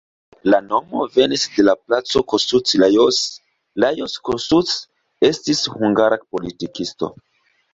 La nomo venis de la Placo Kossuth Lajos, Lajos Kossuth estis hungara politikisto.